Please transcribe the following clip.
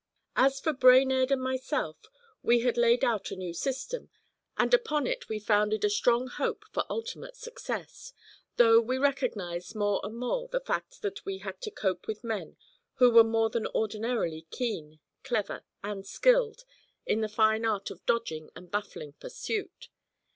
As for Brainerd and myself, we had laid out a new system, and upon it we founded a strong hope for ultimate success; though we recognised more and more the fact that we had to cope with men who were more than ordinarily keen, clever, and skilled in the fine art of dodging and baffling pursuit.